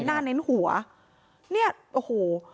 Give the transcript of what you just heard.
เน้นน่าเน้นหัวเนี่ยโอ้โห